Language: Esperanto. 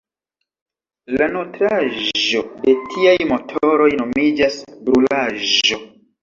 La nutraĵo de tiaj motoroj nomiĝas "brulaĵo".